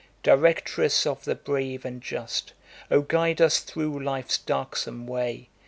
Directress of the brave and just, O guide us through life's darksome way!